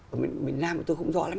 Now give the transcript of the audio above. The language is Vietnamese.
ở miền nam tôi không rõ lắm